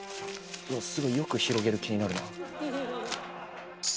すぐよく広げる気になるな。